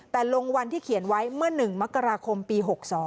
แต่ลงวันที่เขียนไว้เมื่อ๑มกราคมปี๖๒